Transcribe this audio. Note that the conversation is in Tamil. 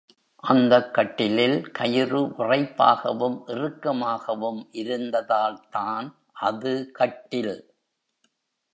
அந்தக் கட்டிலில் கயிறு விறைப்பாகவும் இறுக்கமாகவும் இருந்தால்தான் அது கட்டில்.